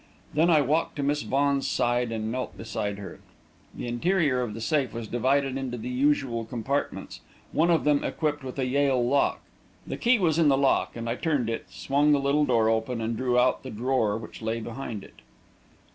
Then I walked to Miss Vaughan's side and knelt beside her. The interior of the safe was divided into the usual compartments, one of them equipped with a Yale lock. The key was in the lock, and I turned it, swung the little door open, and drew out the drawer which lay behind it.